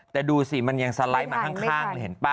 แต่ดูสิมันยังสไลด์มาข้างเลยเห็นป่ะ